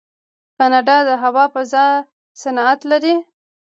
کاناډا د هوا فضا صنعت لري.